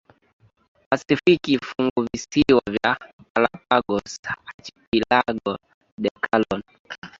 Pasifiki Funguvisiwa vya Galapagos Archipiélago de Colón